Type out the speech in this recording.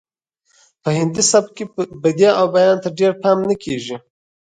په هندي سبک کې بدیع او بیان ته ډیر پام نه کیږي